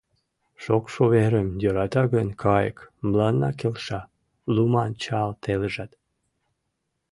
Шокшо верым йӧрата гын кайык, Мыланна келша луман чал телыжат.